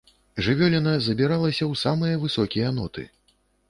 Жывёліна забіралася ў самыя высокія ноты.